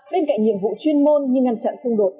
bên cạnh nhiệm vụ chuyên môn như ngăn chặn xung đột